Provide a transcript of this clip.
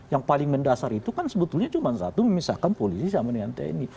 yang paling mendasar itu kan sebetulnya cuma satu misalkan polisi sama nianteni